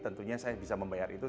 tentunya saya bisa membayar itu